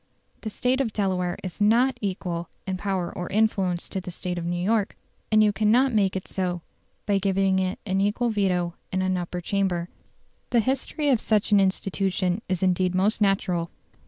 The State of Delaware is NOT equal in power or influence to the State of New York, and you cannot make it so by giving it an equal veto in an Upper Chamber. The history of such an institution is indeed most natural.